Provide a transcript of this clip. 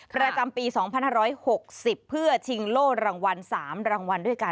ประจำปี๒๕๖๐เพื่อชิงโล่รางวัล๓รางวัลด้วยกัน